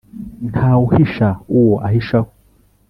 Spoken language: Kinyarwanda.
Ntawe uhisha uwo ahishaho.